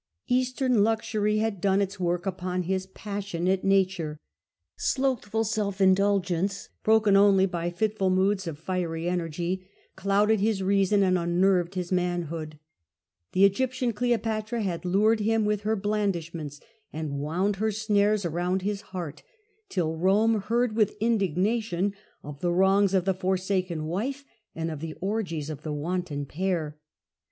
Eastern luxury had done its work upon his passionate nature. Slothful self indulgence, broken only by fitful moods of fiery energy, clouded his reason and unnerved his manhood. The Egyptian Cleo patra had lured him with her blandishments and wound her snares around his heart, till Rome heard with indig nation of the wrongs of the forsaken wife and of the orgies of the wanton pair.